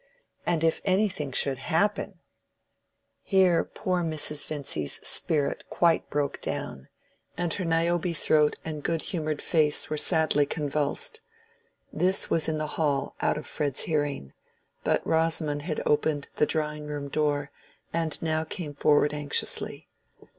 And if anything should happen—" Here poor Mrs. Vincy's spirit quite broke down, and her Niobe throat and good humored face were sadly convulsed. This was in the hall out of Fred's hearing, but Rosamond had opened the drawing room door, and now came forward anxiously.